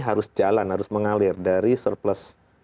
harus jalan harus mengalir dari surplus